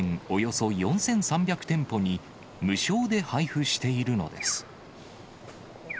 およそ４３００店舗に無償で配布しているのです。